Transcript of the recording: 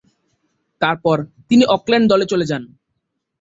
তারপর, তিনি অকল্যান্ড দলে চলে যান।